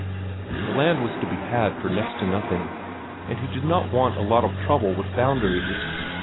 The land was to be had for next to nothing, and he did not want a lot of trouble with boundaries.